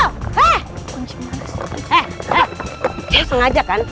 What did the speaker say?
lu sengaja kan